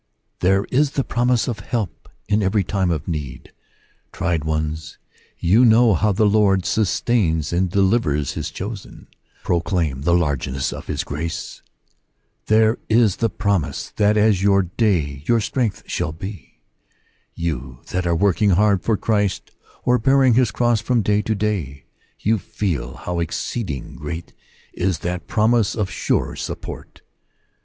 There is the promise of help in every time of need, Tried ones, you know how the Lord sustains and delivers his chosen ; proclaim the largeness of his grace ! There is the promise that as your day your strength shall be. You that are working hard for Christ, or bearing his cross from day to day, you feel how exceeding great is that promise of sure support.